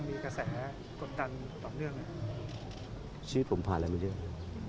มีการแทรกแต่ว่าก็ยังมีกระแสกดกลันต่อเรื่อง